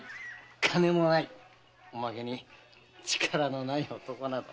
おまけに力のない男など。